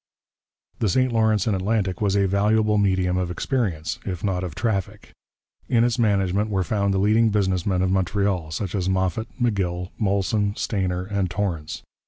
The St Lawrence and Atlantic was a valuable medium of experience, if not of traffic. In its management were found the leading business men of Montreal, such as Moffat, M'Gill, Molson, Stayner, and Torrance.